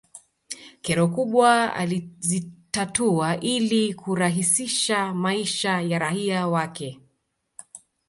kero kubwa alizitatua ili kurahisisha maisha ya raia wake